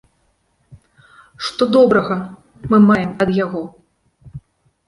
Што добрага мы маем ад яго?